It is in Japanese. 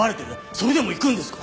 それでも行くんですか？